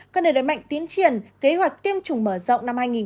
các nơi đối mạnh tiến triển kế hoạch tiêm chủng mở rộng năm hai nghìn hai mươi bốn